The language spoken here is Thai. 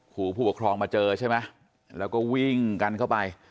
ผู้ปกครองมาเจอใช่ไหมแล้วก็วิ่งกันเข้าไป